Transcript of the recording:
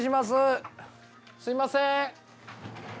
すいません。